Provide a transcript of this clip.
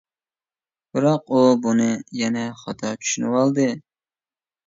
بىراق ئۇ بۇنى يەنە خاتا چۈشىنىۋالدى.